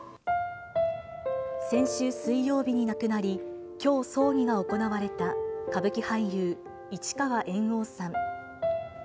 先週水曜日に亡くなり、きょう葬儀が行われた、歌舞伎俳優、市川猿翁さん。